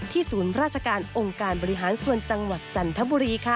ศูนย์ราชการองค์การบริหารส่วนจังหวัดจันทบุรี